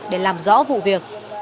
để làm rõ vụ việc